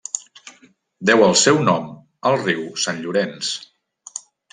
Deu el seu nom al riu Sant Llorenç.